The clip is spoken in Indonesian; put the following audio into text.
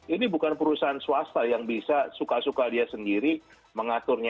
ini bukan perusahaan swasta yang bisa suka suka dia sendiri mengaturnya